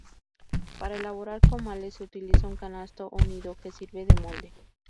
Para elaborar comales se utiliza un canasto o "nido", que sirve de molde.